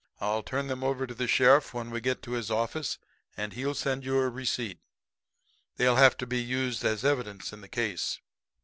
I'll turn them over to the sheriff when we get to his office, and he'll send you a receipt. They'll have to be used as evidence in the case.'